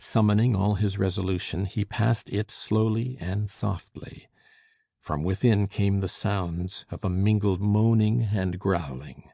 Summoning all his resolution, he passed it slowly and softly. From within came the sounds of a mingled moaning and growling.